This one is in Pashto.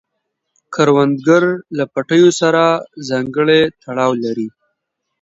کروندګر له پټیو سره ځانګړی تړاو لري